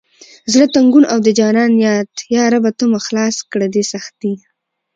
زړه تنګون او د جانان یاد یا ربه ته مو خلاص کړه دې سختي…